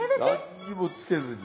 何にもつけずに。